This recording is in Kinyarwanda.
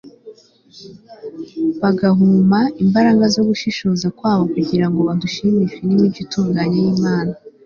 bagahuma imbaraga zo gushishoza kwabo kugira ngo badashimishwa n'imico itunganye y'imana